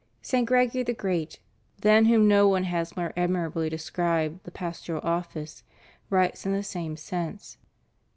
"* St. Gregory the Great, than whom no one has more admirably described the pastoral office, writes in the same sense.